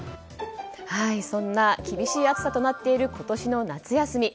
そんな厳しい暑さとなっている今年の夏休み。